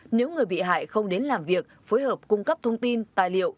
nếu người bị hại không đến làm việc phối hợp cung cấp thông tin tài liệu